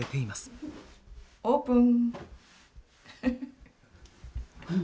オープン！